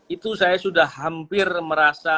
itu saya sudah hampir merasa